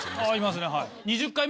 いますねはい。